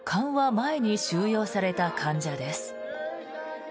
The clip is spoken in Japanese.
前に収容された患者です。